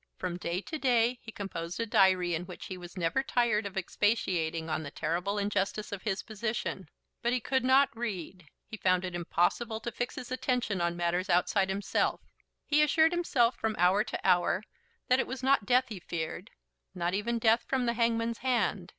From day to day he composed a diary in which he was never tired of expatiating on the terrible injustice of his position. But he could not read. He found it to be impossible to fix his attention on matters outside himself. He assured himself from hour to hour that it was not death he feared, not even death from the hangman's hand.